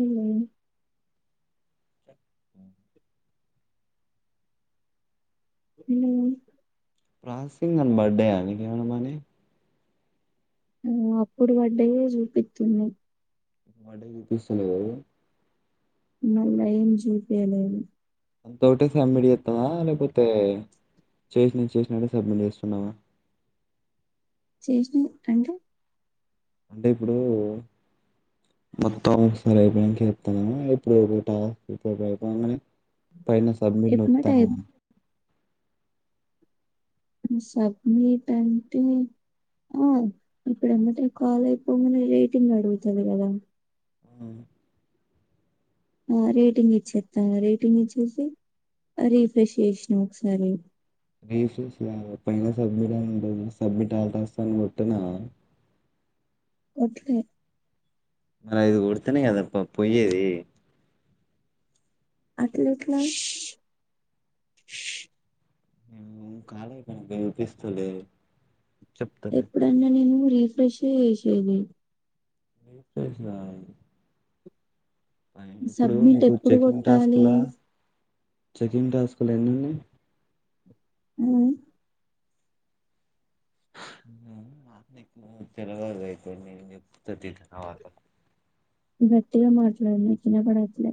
ఉమ్ స ఉమ్ ఉమ్ ప్రాసెసింగ్ అని పాడాయా మీకు ఏమైనా మరి ఆ అప్పుడు పడ్డయే చూపిస్తుంది పడ్డయే చూపించలేదా నల ఏం చూపియలేదు అంత ఒకటే సబ్మిట్ చేస్తామా లేకపోతే చేసిన చేసినట్టే సబ్మిట్ చేస్తున్నావా చేసినవి అంటే అంటే ఇప్పుడు మొత్తం ఒకసారి అయిపోయానికి చెప్తా ఇప్పుడు టాస్ అయిపో కానీ పైన సబ్మిట్ ఎమ్మటే నొక్కుతున్నావా సబ్మిట్ అంటే ఆ ఇప్పుడంతటే కాల్ అయిపోందనే రేటింగ్ అడుగుతుంది కదా ఆ ఆ రేటింగ్ ఇచ్చేస్తాను రేటింగ్ ఇచ్చేసి రీఫ్రెష్ చేసినాం ఒకసారి రఫ్రలా పైన సబ్మిట్ అ ఉంట సబ్మిట్ ఆలటస్తని కొట్టినావా కొట్టలే మరి ఇది కొడుతునే కదా ప్ప పయ్యేది అట్ల ఎట్లా మే కాల పనపిస్తలే ఎప్పుడన్న నేను రిఫ్రెష్ చేసేది రిఫ్రెష్ కాదు సబ్మిట్ ఎప్పుడు చెకింగ్ కొట్టాలి టాస్క్లా చెకింగ్ టాస్కులు ఏమి ఉన్నాయి అ తెల్లవారితే నేన్ చెప్తా తీయ్ గట్టిగా మాట్లాడు నాక్ ఇనపడట్ల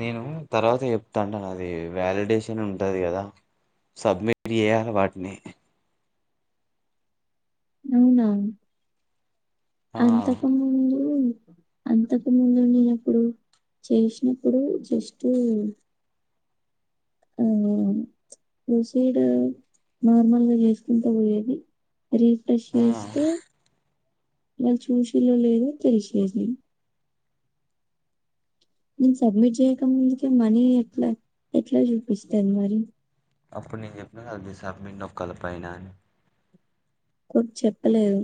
నేను తర్వాత చెప్తాంటను అది వ్యాలిడేషన్ ఉంటది కదా సబ్మిట్ చేయాల వాటిని అవునా ఆ అంతకుముందు అంతకు ముందు నేనెప్పుడు చేసినప్పుడు జెస్టు ఆ నే ప్రొసీడ నార్మల్గా చేసుకుంటూ పోయేది రిఫ్రెష్ ఆ చేస్తే మేము చూషిలో లేదో తెలిషేది నేను సబ్మిట్ చేయక ముందుకే మనీ ఎట్లా ఎట్లా చూపిస్తాంది మరి అప్పుడు నేను చెప్పిన కద సబ్మిట్ నొక్కల పైన అని కొ చెప్పలేదు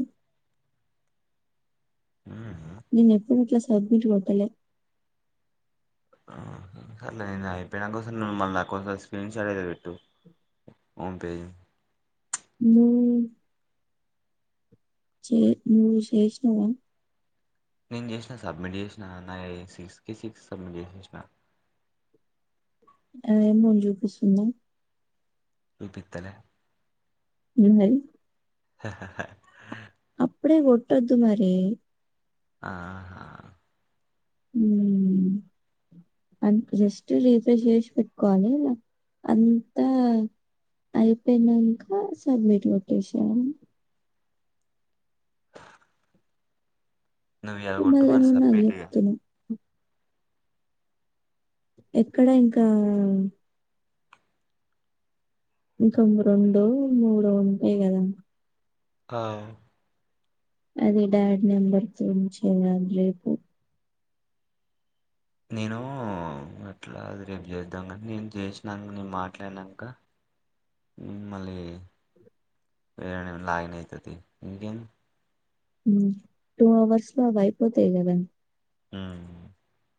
హుమ్ నేను ఎప్పుడు ఇట్ల సడ్మిట్ కొట్టలే సర్లే నేను అయిపోయినా కోస్ నువ్ మళ్ళీ నా కోసం స్క్రీన్ షాట్ అయితే పెట్టు ఓమ్ పేజీ హుమ్ చే నువ్ చేసినవా నేను చేసినా సబ్మిట్ చేసినా నా సిక్స్ కి సిక్స్ సబ్మిట్ చేసేసినా అదేమన్నా జూపిస్తుంద చూపిత్తలే నున్నది హా హా హా అప్పుడే కొట్టొద్దు మరి ఆహా హుమ్ జస్ట్ రీఫ్రెష్ చేసి పెట్టుకోవాలి అంతా అయిపోయినాక సబ్మిట్ కొట్టేసాము నువ్వు ఇయలా కొట్టు మళ్ళీ మరి నువ్వు నాకు సబ్మిట్ ఇగా చెప్తున్నావు. ఎక్కడ ఇంకా ఇంకా రెండు మూడు ఉంటాయ్ గదా ఆవ్ అది డాడ్ నెంబర్తోన్ చేయాలి రేపు నేను అట్లా అది రేపు చేద్దాం కానీ నేను చేసినాక నేను మాట్లాడి నాంక మళ్ళీ వేరే లాగిన్ అవుతది ఇంకేం హుమ్ టూ అవర్స్ లో అవ్ అయిపోతాయ్ గదా హుమ్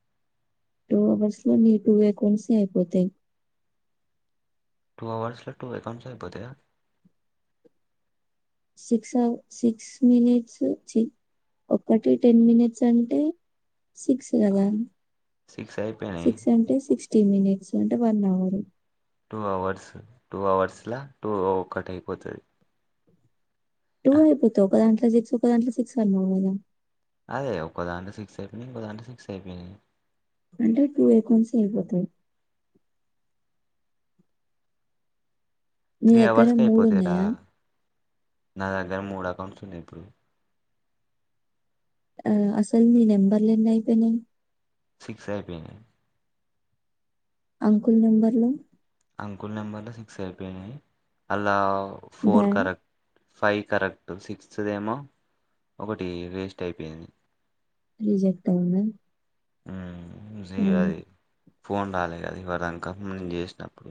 టూ అవర్స్ లో నీ టూ అకౌంట్స్ అయిపోతాయ్ టూ అవర్స్లో టు అకౌంట్స్ అయిపోతాయా సిక్స్ అవ సిక్స్ మినిట్స్ చి ఒకటి టెన్ మినిట్స్ అంటే సిక్స్ కదా సిక్స్ అయిపోయినాయి సిక్స్ అంటే సిక్స్ ఫిఫ్టీ మినిట్స్ అంటే one hour two hours two అవర్స్లా టూ ఒకటి అయిపోతది టూ అయిపోత ఒకదంట్లా సిక్స్ ఒక దాంట్లో సిక్స్ అన్నావ్ గదా అదే ఒక్కదాంలో సిక్స్ అయిపోయినాయి ఇంకో దాంట్లో సిక్స్ అయిపోయినాయ్ అంటే టూ అకౌంట్స్ అయిపోతాయి నీ త్రీ దగ్గర అవర్స్కి మూడు అయిపోతాయి రా ఉన్నాయా నా దగ్గర మూడు అకౌంట్స్ ఉన్నాయి. ఇప్పుడు అ అసలు మీ నెంబర్లేనైపోయినై సిక్స్ అయిపోయినయీ అంకుల్ నెంబర్లు అంకుల్ నెంబర్ లో సిక్స్ అయిపోయినాయి అల్లా four dad correct five correct సిక్స్త్దేమో ఒకటి వేస్ట్ అయిపోయింది. రిజెక్ట్ అయింద. ఉహ్మ్మ్ ఈజీ ఎ అది ఫోన్ రాలే కదా ఇవార్దాంకా నేను చేసినప్పుడు.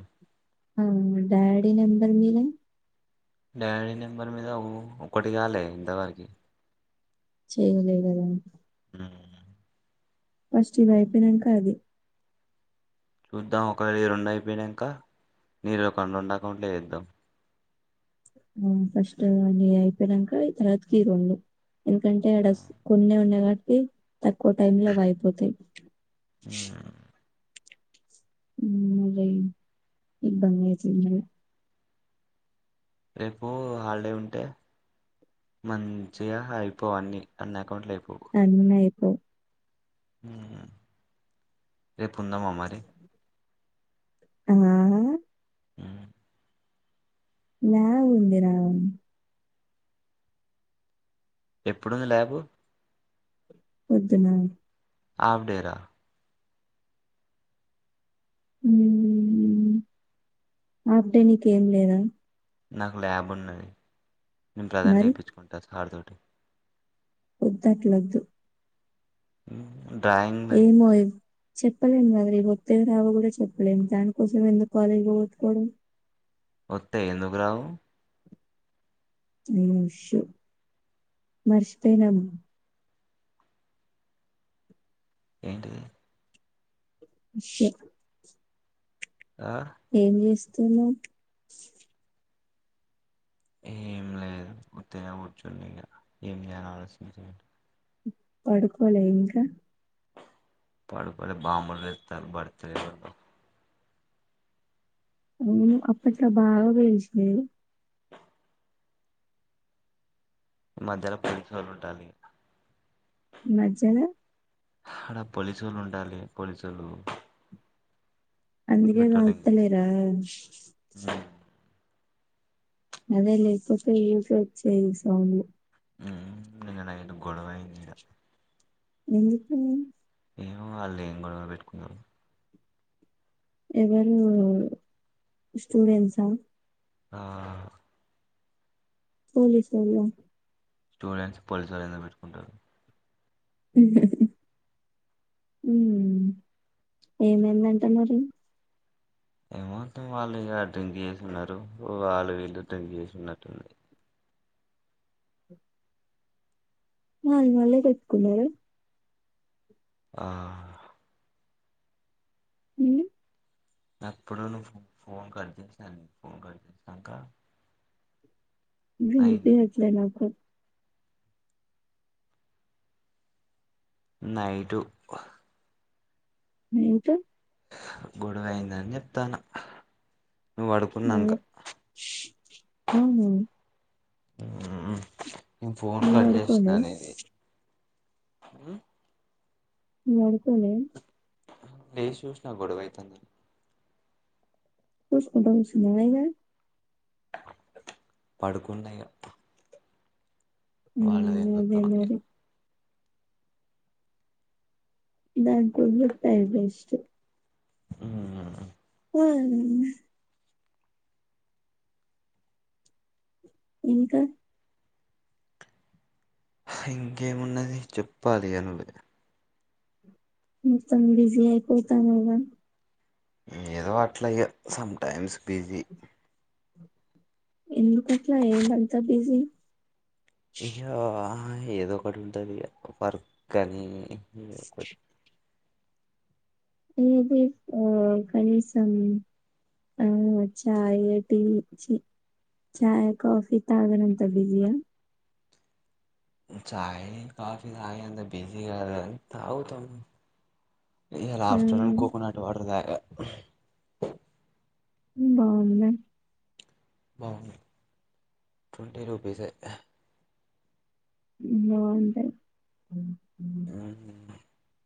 అవును డాడీ నంబర్ మీనా డాడీ నెంబర్ మీద ఒకటి కాలే ఇంతవరకి చేలేదెమో ఉహ్మ్మ్ ఫస్ట్ ఇవి అయిపోయినంక అదే చూద్దాం ఒకవేళ ఈ రెండు అయిపోయినంక. నీ అకౌంట్ రెండా అకంట్లే చేద్దాం ఉహ్ ఆ ఫస్ట్ నిది అయిపోయినంక తరువాతకి ఈ రెండు ఎందుకంటే ఆడస్ కొన్నే ఉండే కా ఇ తక్కువ టైం లో అవి అయిపోతాయి. ఉమ్, ఉహ్ ఇది ఇబ్బందయితుంది రేపు హాలిడే ఉంటే. మంచిగా అయిపోవు అన్ని అన్ని అకౌంట్ లో అయి ఓహ్ ఉహ్మ్మ్ రేపు ఉదామా మరి ఆహ్ ఉహ్మ్మ్ ల్యాబ్ ఉంది రా ఎప్పుడుంది ల్యాబు పోద్దునా ఆఫ్డేరా ఉహ్ ఆప్డే నీకేం లేదా నాకు ల్యాబ్ ఉన్నాది. నేను మరి ప్రాజెంట్ఎపిచుకుంటా సార్ తో వద్దట్లొదు ఉహ్ ఏం మయల్ చెప్పలేము కద ఇవత్వి రావు కూడా చెప్పలేము దానికోసం ఎందుకు కాలేజీ పోవట్తుకోడం. వత్తేయి ఎందుకు రావు ఓ శ్యాట్ మర్చిపోయినం ఏంటి చెే ఆ ఏం చేస్త తునవ్ ఏం లేదు ఉత్తిగనే కూర్చున ఇంక ఏం చేయాలి ఆలోచించడి పడుకోలే ఇంకా పడుకోలే బాంబులు పేల్తన్లు బర్త్‌డేలకు అవును అప్పట్లో బాగా పేల్చేది. మధ్యలో పోలీసోల్లు ఉంటరు ఇడ మజ్జెల ఆడ పోలిసోలు ఉంటల్లే పోలిసోల్లు అందుకే చేస్తారు తాగుతలేరా అదే లేకపోతే ఊకే వచ్చేది ఈ సౌండ్లు, హ్మ్ నిన్న నైట్ గొడవ అయింది ఇడ ఎందుకని ఏమో వాళ్ళు ఏం గొడవ పెట్టుకున్నారో ఎవరు స్టూడెంట్సా ఆ పోలీసోల్లా స్టూడెంట్స్ పోలీసోల్లు ఎందుకు పెట్టుకుంటరు. హు హు ఉ ఏమైందంట మరి ఏమంటే వాళ్ళు ఇగ డ్రింక్ చేసినరూ వాళ్ళు వీళ్ళు డ్రింక్ చేసినట్టున్నరు. అల్ మళ్ళీ కోట్టుకున్నార ఆ హ్మ్ అప్పుడు నువ్వు ఫోన్ కట్ చేసిన ఫోన్ కట్ చేసినంక అయింది వినిపియట్లే నాకు నైటు అయితే గొడవ అయిందని చెప్తన్న హ్మ్ అవునా హ్మ్ నేను ఫోన్ నువ్వు కట్ చేసిన పడుకోలే నీది హ్మ్ పడుకోలే లేసి చూసినా గొడువైతందని. సుసుకుంట కుసున్నవ ఇగ పడుకున్నా ఇగ వాళ్ళది హ్మ్ ఏం అదే చూస్తామని మరి దానికి వొదిలెత్తెఆయే బెస్ట్ ఇగ ఆ ఇంకా ఇంకేమున్నది చెప్పాలి ఇగ నువ్వే మొత్తం బిజీ అయిపోతానవ్గా ఏదో అట్ల ఇగ సంమ్టైమ్స్ బీజి ఎందుకట్లా ఏమంత బిజీ ఇయ్యా ఏదో ఒకటి ఉంటది ఇగ వర్కనీ, ఎదో ఒకటి ఏది ఆ కనీసం ఆ చాయ టీ చ చాయ కాఫి తాగనంత బిజియా చాయ్ కాఫీ తాగే అంత బిజీ కాదు గని తాగుతం ఈయల ఆ ఆఫ్టర్నూన్ కోకోనట్ వాటర్ తాగా బాగుందా బాగుంది ట్వంటీ రూపీసే బావుందా హ్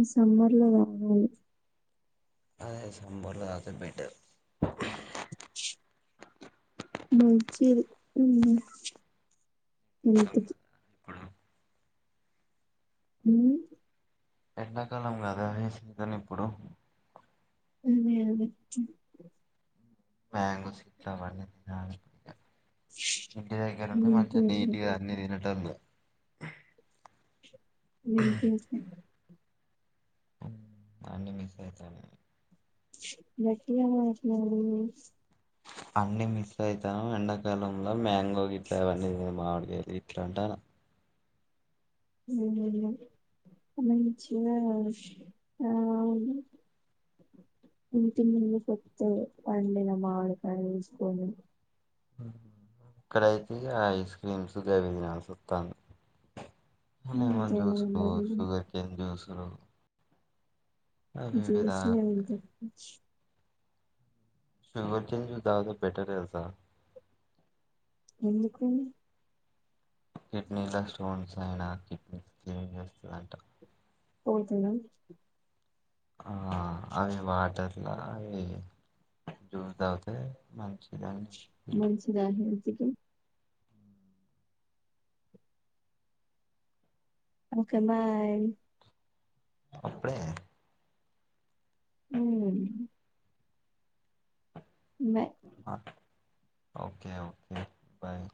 ఈ సమ్మర్లో [inaudible] అదే సమ్మర్లో తాగితే బెటర్ మంచిది హ్మ్ హెల్త్కి ఇప్పుడు హ్ ఎండాకాలం కదా సీజన్ ఇప్పుడు అదే అదే మ్యాంగో [inaudible] ఇంటి దగ్గరుంటే మంచిగ మంచిది. నీట్గా అన్ని తినే అంటన్న [inaudible] అన్ని మిస్ అయితాన్నయి. [unintelligible] అన్ని మిస్ అయితాన్న ఎండాకాలంల మ్యాం గో గిట్లా అవన్నీ మామిడి కాయలే ఇట్లాంటనా మంచిగా ఆ ఇంటి ముందు కొత్తగ పండిన మామిడికాయ తీసుకోని ఇక్కడైతే ఆ ఐస్ క్రీమ్స్ గవే తినాల్సి వస్తంది. Lemon juice sugar cane juice అ జ్యూస్లు అంటే సుగెర్కాన్ జ్యూస్ తాగుతే బెటర్ తెల్సా ఎందుకు కిడ్నీలో స్టోన్స్ అయినా కిడ్నీ క్లీన్ చేస్తదంట. పోతదా ఆ అవి వాటర్ అలా అ జ్యూస్ తాగుతే మంచిదన్ మంచిదా హ నిజం ఒకే బాయ్ అప్పుడే హమ్ బాయ్ ఒకే ఒకే బాయ్